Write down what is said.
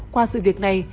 qua sự việc này